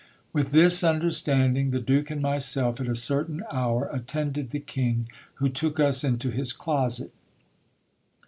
With this understanding, the Duke and myself at a certain hour attended the K ng, who took us into his closet.